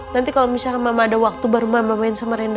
nanti kalau misalnya mama ada waktu baru mama main sama rena